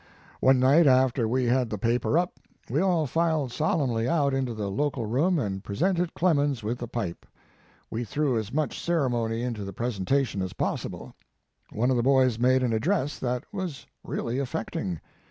One night, after we had the paper up, we all filed solemnly out into the local room and presented Clemens with the pipe. We threw as much cere mony into the presentation as possible. One of the boys made an address that was really affecting.